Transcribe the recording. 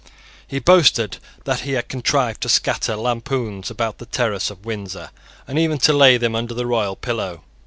He boasted that he had contrived to scatter lampoons about the terrace of Windsor, and even to lay them under the royal pillow.